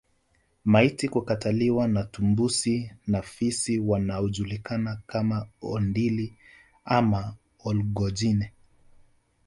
Maiti kukataliwa na tumbusi na fisi wanaojulikana kama Ondili ama Olngojine